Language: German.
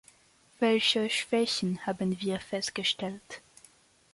Welche Schwächen haben wir festgestellt?